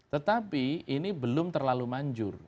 tetapi ini belum terlalu manjur